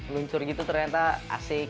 luncur gitu ternyata asik